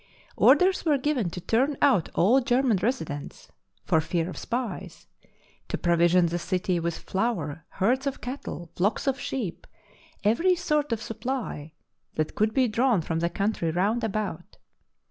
Orders were given to turn out all German resi dents (for fear of spies), to provision the city with flour, herds of cattle, flocks of sheep — every sort of supply that could be drawn from the country round about.